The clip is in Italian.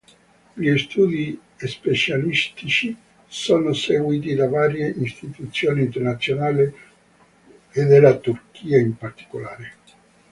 Gli studi specialistici sono seguiti da varie istituzioni internazionali e dalla Turchia in particolare.